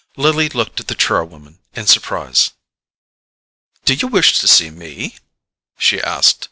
Lily looked at the char woman in surprise. "Do you wish to see me?" she asked.